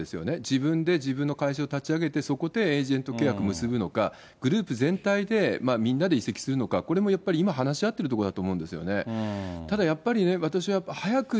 自分で自分の会社を立ち上げて、そこでエージェント契約を結ぶのか、グループ全体でみんなで移籍するのか、これもやっぱり今、話し合っているところだと思うんですね。